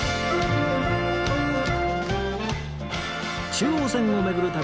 中央線を巡る旅